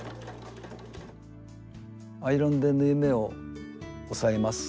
アイロンで縫い目を押さえます。